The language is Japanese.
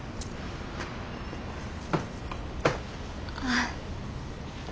ああ。